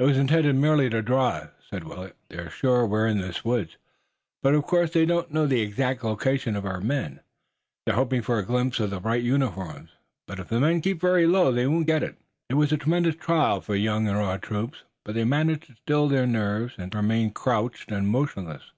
"'Twas intended merely to draw us," said Willet. "They're sure we're in this wood, but of course they don't know the exact location of our men. They're hoping for a glimpse of the bright uniforms, but, if the men keep very low, they won't get it." It was a tremendous trial for young and raw troops, but they managed to still their nerves, and to remain crouched and motionless.